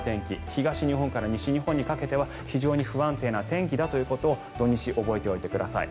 東日本から西日本にかけては非常に不安定な天気だということを土日覚えておいてください。